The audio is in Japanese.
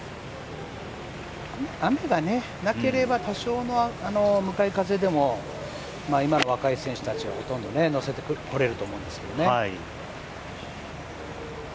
雨がなければ多少の向かい風でも今の若い選手たちはほとんどのせてこれると思うんですけどね。